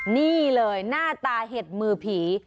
นี่เลยหน้าตาเห็ดมือผี